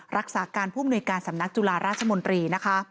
รักษาการผู้บนหน่วยการสำนักจุฬาราชมนตรี